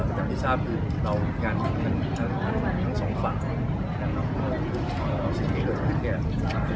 ต่างต่อไปปกติกาหน้าจะเกิดมันก็คงถึงตัวไว้ตามเวลา